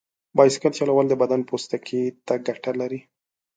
بایسکل چلول د بدن پوستکي ته ګټه لري.